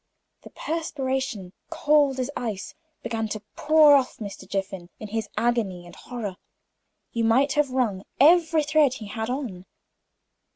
The perspiration, cold as ice, began to pour off Mr. Jiffin in his agony and horror. You might have wrung every thread he had on.